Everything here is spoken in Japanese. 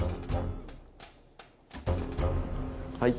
はい。